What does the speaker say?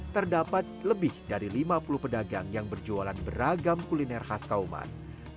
terdapat lebih dari lima puluh pedagang yang berjualan beragam kuliner khas kauman